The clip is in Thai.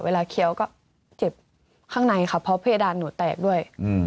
เคี้ยวก็เจ็บข้างในค่ะเพราะเพดานหนูแตกด้วย